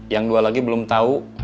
yang dua lagi belum tahu